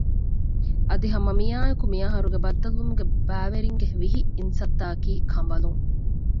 އަދި ހަމަ މިއާއެކު މި އަހަރުގެ ބައްދަލުވުމުގެ ބައިވެރިންގެ ވިހި އިންސައްތައަކީ ކަނބަލުން